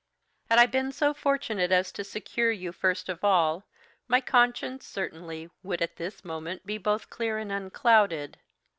"Had I been so fortunate as to secure you first of all, my conscience, certainly, would at this moment be both clear and unclouded.